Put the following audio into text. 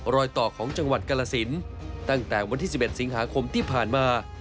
รอยต่อของจังหวัดกรสินตั้งแต่วันที่๑๑สิงหาคมที่ผ่านมา